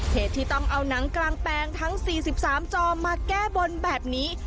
เหตุที่ต้องเอาหนังกลางแปลงทั้ง๔๓จอมาแก้บนแบบนี้